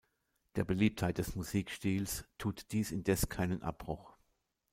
Der Beliebtheit des Musikstils tut dies indes keinen Abbruch.